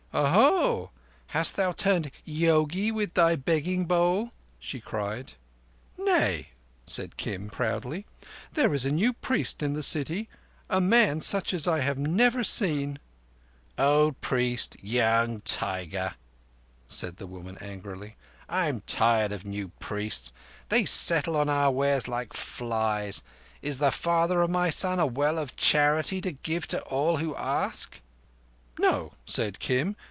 "Oho, hast thou turned yogi with thy begging bowl?" she cried. "Nay." said Kim proudly. "There is a new priest in the city—a man such as I have never seen." "Old priest—young tiger," said the woman angrily. "I am tired of new priests! They settle on our wares like flies. Is the father of my son a well of charity to give to all who ask?" "No," said Kim.